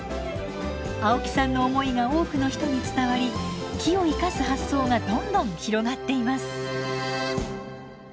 青木さんの思いが多くの人に伝わり木を生かす発想がどんどん広がっています。